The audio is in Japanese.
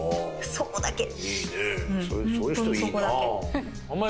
そこだけ。